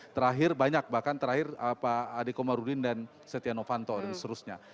terakhir banyak bahkan terakhir pak adekomarudin dan setia novanto dan seterusnya